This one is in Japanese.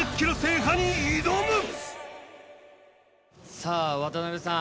さあ渡さん。